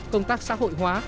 công tác xã hội hóa